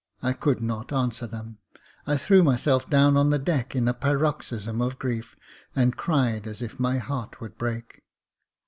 I could not answer them ; I threw myself down on the deck in a paroxysm of grief, and cried as if my heart would break.